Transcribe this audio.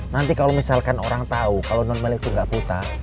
nanti kalo misalkan orang tau kalo non mel itu ga buta